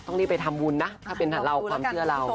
รีบไปทำบุญนะถ้าเป็นเราความเชื่อเรา